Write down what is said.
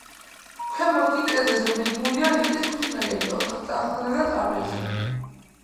ქვემოთ კი, კედელზე, მიდგმულია რიყის ქვით ნაგები, ოთხწახნაგა ტრაპეზი.